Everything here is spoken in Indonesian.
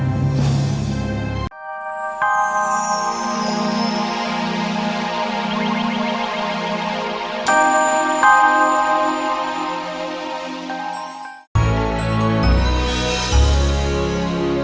kalau kita jalan ke rumah